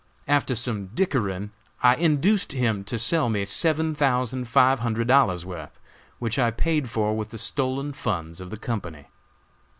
After some dickering I induced him to sell me seven thousand five hundred dollars' worth, which I paid for with the stolen funds of the company.